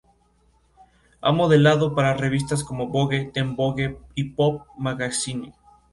Fue dirigida por y distribuida por Zeitgeist Films.